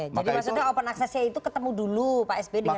jadi maksudnya open accessnya itu ketemu dulu pak sp dengan bumega